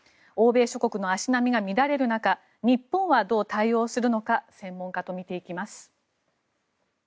欧米諸国の足並みが乱れる中日本はどう対応するのか専門家と見ていきます。